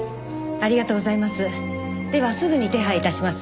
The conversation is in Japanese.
ありがとうございます。